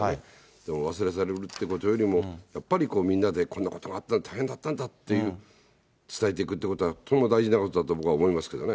でも忘れ去られるってことよりも、やっぱりみんなで大変だったんだって、伝えていくということはとても大事なことだと僕は思いますけどね。